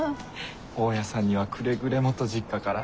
大家さんにはくれぐれもと実家から。